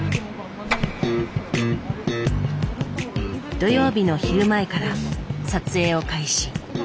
土曜日の昼前から撮影を開始。